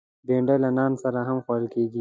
بېنډۍ له نان سره هم خوړل کېږي